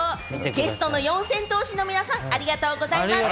ゲストの四千頭身の皆さん、ありがとうございました。